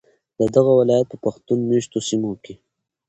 ددغه ولایت په پښتون میشتو سیمو کې